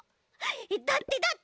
だってだって。